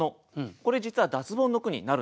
これ実は脱ボンの句になるんです。